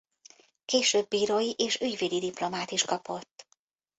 Később bírói és ügyvédi diplomát is kapott.